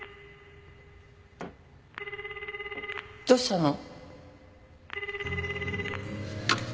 どうしたの？